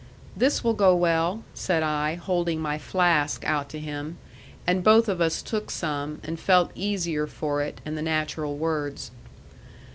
"This will go well," said I, holding my flask out to him; and both of us took some, and felt easier for it and the natural words.